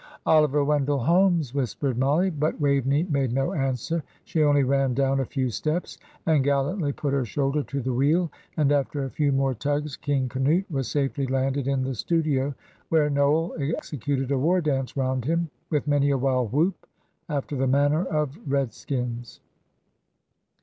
"Oliver Wendell Holmes," whispered Mollie; but Waveney made no answer; she only ran down a few steps and gallantly put her shoulder to the wheel, and after a few more tugs "King Canute" was safely landed in the studio, where Noel executed a war dance round him, with many a wild whoop, after the manner of Redskins.